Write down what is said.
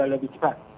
jadi lebih cepat